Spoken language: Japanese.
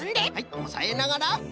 おさえながら。